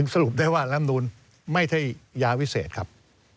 สรุปได้ว่าลำนูนไม่ใช่ยาวิเศษครับ